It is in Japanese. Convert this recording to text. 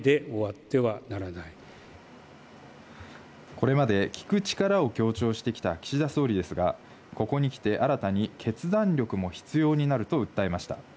これまで聞く力を強調してきた岸田総理ですが、ここに来て新たに決断力も必要になると訴えました。